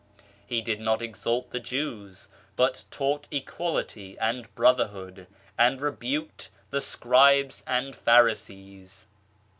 He did not exalt the Jews, but taught equality and brother hood, and rebuked the Scribes and Pharisees.